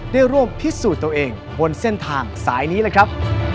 ได้ร่วมพิสูจน์ตัวเองบนเส้นทางสายนี้เลยครับ